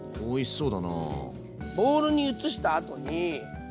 そう。